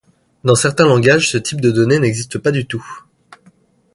Dans certains langages, ce type de données n'existe pas du tout.